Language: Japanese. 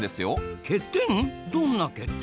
どんな欠点？